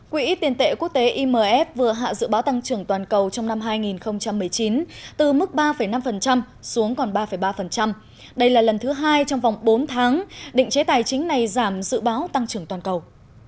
quỹ tiền tệ quốc tế imf vừa hạ dự báo tăng trưởng toàn cầu trong năm hai nghìn một mươi chín từ mức ba năm xuống còn ba ba đây là lần thứ hai trong vòng bốn tháng định chế tài chính này giảm dự báo tăng trưởng toàn cầu